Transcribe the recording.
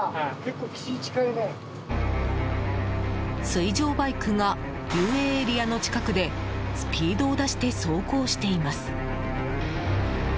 水上バイクが遊泳エリアの近くでスピードを出して走行しています。